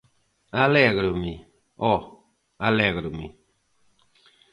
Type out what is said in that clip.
_Alégrome, ho, alégrome...